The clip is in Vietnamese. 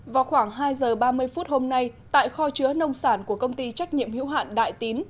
vào khoảng hai giờ ba mươi phút hôm nay tại kho chứa nông sản của công ty trách nhiệm hữu hạn đại tín